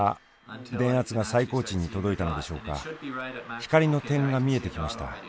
光の点が見えてきました。